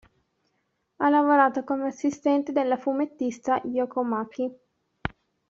Ha lavorato come assistente della fumettista Yōko Maki.